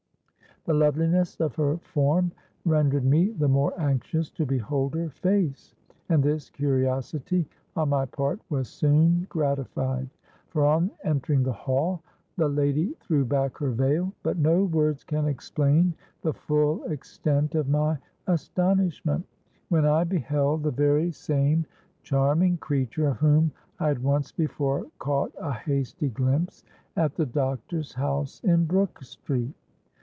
The loveliness of her form rendered me the more anxious to behold her face; and this curiosity on my part was soon gratified. For, on entering the hall, the lady threw back her veil;—but no words can explain the full extent of my astonishment, when I beheld the very same charming creature of whom I had once before caught a hasty glimpse at the doctor's house in Brook Street!